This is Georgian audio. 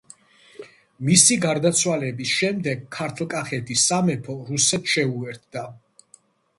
მისი გარდაცვალების შემდეგ ქართლ-კახეთის სამეფო რუსეთს შეუერთდა.